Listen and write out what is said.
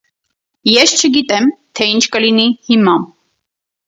Ես չգիտեմ, թե ինչ կլինի հիմա։